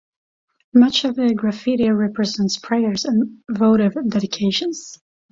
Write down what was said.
Much of the graffiti represents prayers and votive dedications.